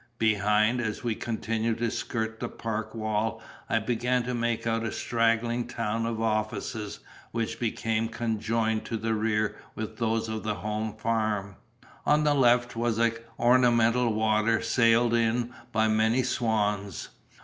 Behind, as we continued to skirt the park wall, I began to make out a straggling town of offices which became conjoined to the rear with those of the home farm. On the left was an ornamental water sailed in by many swans.